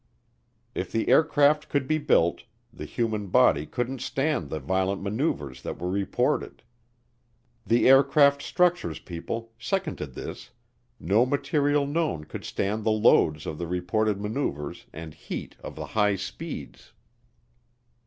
If the aircraft could be built, the human body couldn't stand the violent maneuvers that were reported. The aircraft structures people seconded this, no material known could stand the loads of the reported maneuvers and heat of the high speeds.